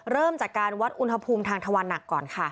เริ่มจากการวัดอุณหภูมิทางทวันหนักก่อนค่ะ